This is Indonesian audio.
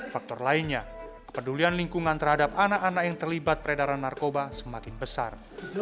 faktor lainnya kepedulian lingkungan terhadap anak anak yang terlibat peredaran narkoba semakin besar